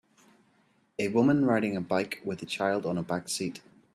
A woman riding a bike with a child on a backseat.